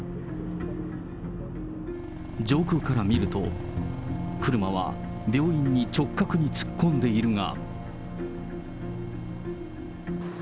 上空から見ると、車は病院に直角に突っ込んでいるが。